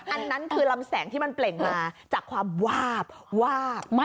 อันนั้นคือลำแสงที่มันเปล่งมาจากความวาบวาบมาก